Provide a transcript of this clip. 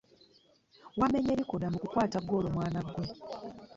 Wamenye likoda mu kukwata ggoolo mwana ggwe.